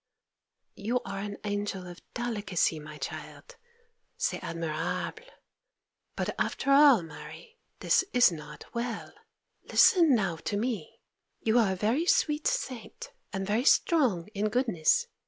'You are an angel of delicacy, my child; c'est admirable! but after all, Mary, this is not well! Listen now to me: you are a very sweet saint, and very strong in goodness.